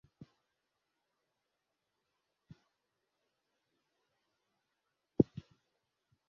এছাড়া, যিরমিয় তার আত্মীয়ের মানসিক অসুস্থতার বিষয়েও উল্লেখ করেন।